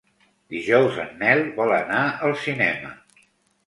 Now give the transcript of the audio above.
Dijous en Nel vol anar al cinema.